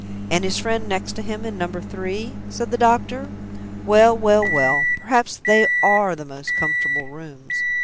"And his friend next to him, in Number Three?" said the doctor. "Well! well! well! perhaps they are the most comfortable rooms.